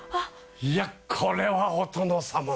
いやこれはお殿様の。